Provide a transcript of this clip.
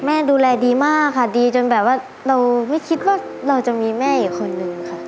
ดูแลดีมากค่ะดีจนแบบว่าเราไม่คิดว่าเราจะมีแม่อีกคนนึงค่ะ